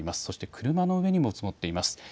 そして車の上にも積もっています。